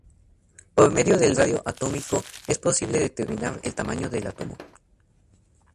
Por medio del radio atómico, es posible determinar el tamaño del átomo.